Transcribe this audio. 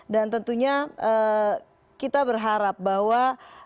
dan tentunya kita berharap bahwa